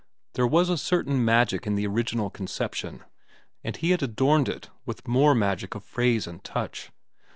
There was a certain magic in the original conception, and he had adorned it with more magic of phrase and touch.